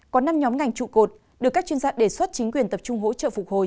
có năm nhóm ngành trụ cột được các chuyên gia đề xuất chính quyền tập trung hỗ trợ phục hồi